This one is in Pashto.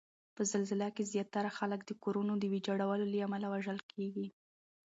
په زلزله کې زیاتره خلک د کورونو د ویجاړولو له امله وژل کیږي